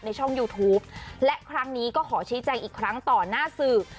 ช่องยูทูปและครั้งนี้ก็ขอชี้แจงอีกครั้งต่อหน้าสื่อ